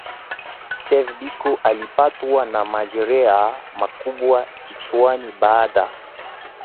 Steve Biko alipatwa na majeraha makubwa kichwani baada